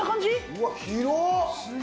うわっ、広っ。